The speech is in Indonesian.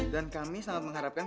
dan kami sangat mengharapkan